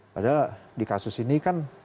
padahal di kasus ini kan